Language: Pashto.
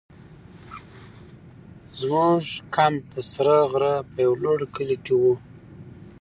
زموږ کمپ د سره غره په یو لوړ کلي کې وو.